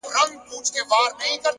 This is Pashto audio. ژه دې اور لکه سکروټې د قلم سه گراني’